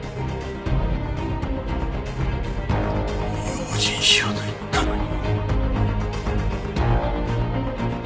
用心しろと言ったのに。